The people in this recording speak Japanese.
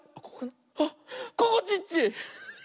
あっここちっち！